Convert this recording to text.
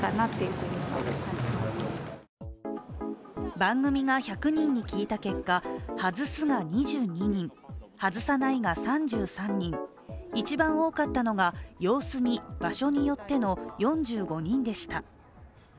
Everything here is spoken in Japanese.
番組が１００人に聞いた結果、外すが２２人外さないが３３人一番多かったのが様子見・場所によっての４５人でした。